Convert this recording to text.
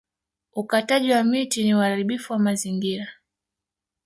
Ukataji wa miti ni uharibifu wa mazingira